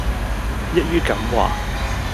一於噉話